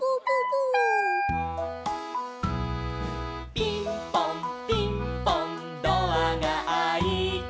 「ピンポンピンポンドアがあいて」